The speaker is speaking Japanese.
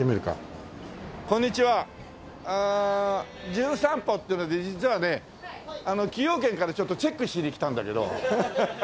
『じゅん散歩』っていうので実はね崎陽軒からちょっとチェックしに来たんだけど。